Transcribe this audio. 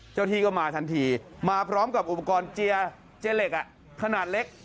เจ้าที่ก็มาทันทีมาพร้อมกับอุปกรณ์เจียร์เจเหล็กขนาดเล็ก